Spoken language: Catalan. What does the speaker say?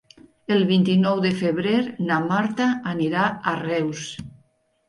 El vint-i-nou de febrer na Marta anirà a Reus.